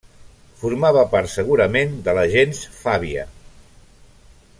Formava part segurament de la gens Fàbia.